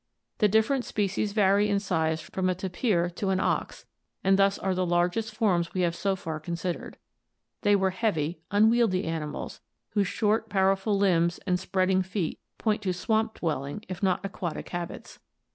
The different species vary in size from a tapir to an ox, and thus are the largest forms we have so far con sidered. They were heavy, unwieldy animals whose short powerful limbs and spreading feet point to swamp dwelling if not aquatic habits.